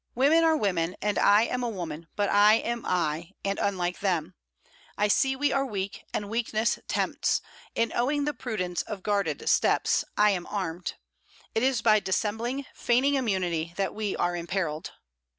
'Women are women, and I am a woman but I am I, and unlike them: I see we are weak, and weakness tempts: in owning the prudence of guarded steps, I am armed. It is by dissembling, feigning immunity, that we are imperilled.'